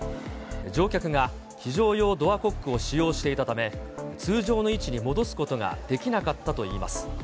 乗客が非常用ドアコックを使用していたため、通常の位置に戻すことができなかったといいます。